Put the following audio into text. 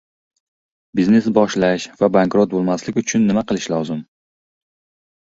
Biznes boshlash va bankrot bo‘lmaslik uchun nima qilish lozim?